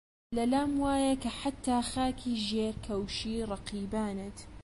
لەلام وایە کە حەتتا خاکی ژێرکەوشی ڕەقیبانت